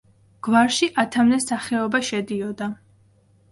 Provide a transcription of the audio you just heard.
გვარში ათამდე სახეობა შედიოდა.